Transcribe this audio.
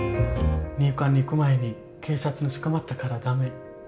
入管に行く前に警察に捕まったから駄目。